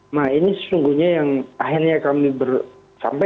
main sungguhnya yang akhirnya kami berhenti sampai